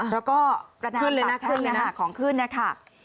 แล้วก็ระดามสัมพันธ์ของขึ้นนะคะ